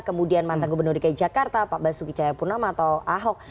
kemudian mantan gubernur dki jakarta pak basuki cahayapurnama atau ahok